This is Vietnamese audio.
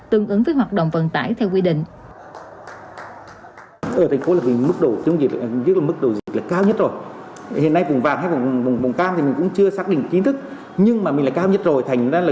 tương ứng với hoạt động vận tải theo quy định